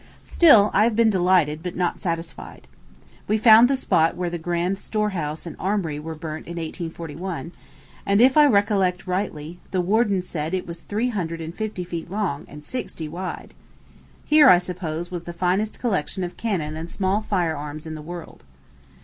Still I have been delighted, but not satisfied. We found the spot where the grand storehouse and armory were burnt in 1841, and, if I recollect rightly, the warden said it was three hundred and fifty feet long, and sixty wide. Here, I suppose, was the finest collection of cannon and small fire arms in the world.